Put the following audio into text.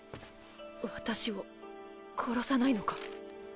私を殺さないのか？